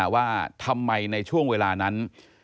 ว่าทำไมในช่วงเวลานั้น